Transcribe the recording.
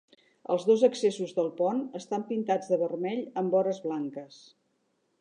Els dos accessos del pont estan pintats de vermell amb vores blanques.